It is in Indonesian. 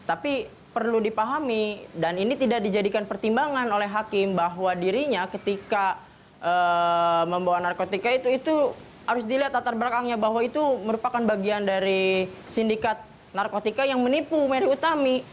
tapi perlu dipahami dan ini tidak dijadikan pertimbangan oleh hakim bahwa dirinya ketika membawa narkotika itu harus dilihat latar belakangnya bahwa itu merupakan bagian dari sindikat narkotika yang menipu meri utami